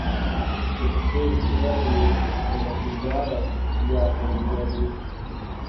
د پښتو ژبې دغه ۍ د لکۍ داره یا په نوم یادیږي.